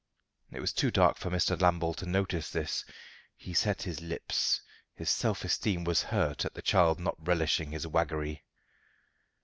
It was too dark for Mr. Lambole to notice this. He set his lips. His self esteem was hurt at the child not relishing his waggery.